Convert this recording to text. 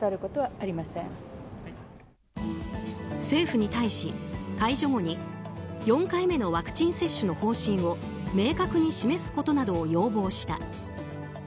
政府に対し、解除後に４回目のワクチン接種の方針を明確に示すことなどを要望した。